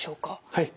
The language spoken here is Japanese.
はい。